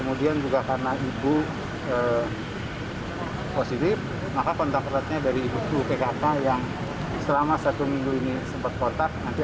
maka kontak ratenya dari ibu tkk yang selama satu minggu ini sempat kontak